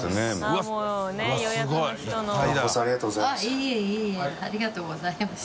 いいえいいえありがとうございました。